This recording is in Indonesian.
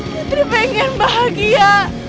putri pengen bahagia